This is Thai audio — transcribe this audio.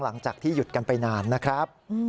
หลังจากที่หยุดกันไปนานนะครับ